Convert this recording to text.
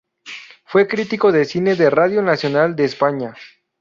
Fue crítico de cine de Radio Nacional de España.